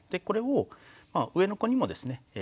これを上の子にもですね